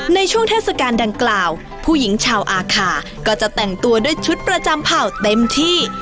ในช่วงเทศกาลดังกล่าวผู้หญิงชาวอาคาก็จะแต่งตัวด้วยชุดประจำเผ่าเต็มที่